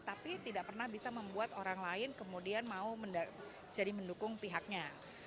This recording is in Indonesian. tapi tidak pernah bisa membuat orang lain kemudian mau jadi mendukung pihaknya